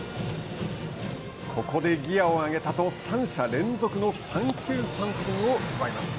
ここでギアを上げたと３者連続の三球三振を奪います。